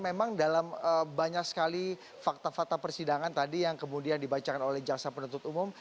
memang dalam banyak sekali fakta fakta persidangan tadi yang kemudian dibacakan oleh jaksa penuntut umum